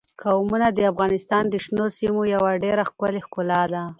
قومونه د افغانستان د شنو سیمو یوه ډېره ښکلې ښکلا ده.